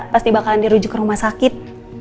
pasti bakalan dirujuk ke rumah sakit